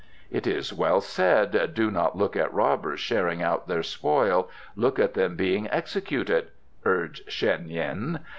"It is well said, 'Do not look at robbers sharing out their spoil: look at them being executed,'" urged Sheng yin.